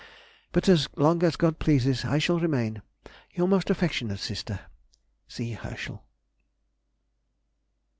But as long as God pleases I shall remain Your most affectionate sister, C. HERSCHEL.